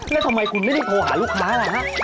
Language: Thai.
แล้วทำไมคุณไม่ได้โทรหาลูกค้าอะไรครับ